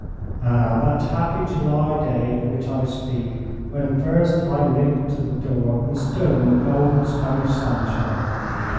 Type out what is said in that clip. Ah, that happy July day of which I speak, when first I limped to the door and stood in the golden Spanish sunshine!